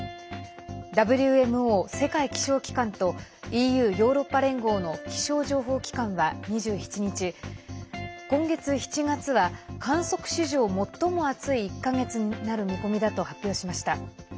ＷＭＯ＝世界気象機関とＥＵ＝ヨーロッパ連合の気象情報機関は、２７日今月７月は、観測史上最も暑い１か月になる見込みだと発表しました。